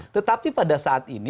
tetapi pada saat ini